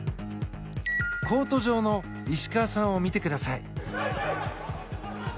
コート上の石川さんを見てください。